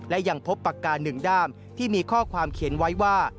และยังพบปากกาหนึ่งด้ามที่มีข้อความเขียนไว้ว่า